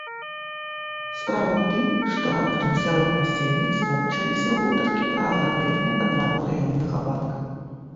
Справа ў тым, што раптам сярод насельніцтва пачаліся гутаркі пра аграбленне аднаго раённага банка.